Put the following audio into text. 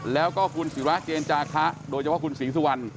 แล้วก็คุณศิราเจนจาคะโดยเฉพาะคุณศรีสุวรรณ